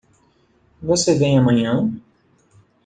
Você vem amanhã?